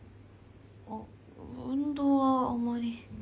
あっ運動はあまり。